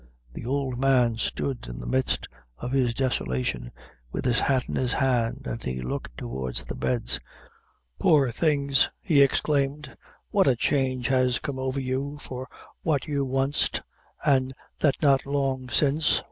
The old man stood, in the midst of his desolation, with his hat in his hand, and he looked towards the beds. "Poor things!" he exclaimed; "what a change has come over you, for what you wanst, an' that not long since, wor.